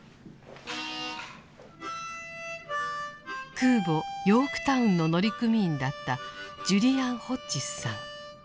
空母「ヨークタウン」の乗組員だったジュリアン・ホッジスさん。